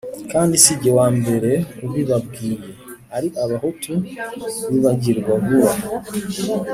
kandi si jye wa mbere ubibabwiye, ari abahutu bibagirwa vuba